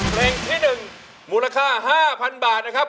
เพลงที่๑มูลค่า๕๐๐๐บาทนะครับ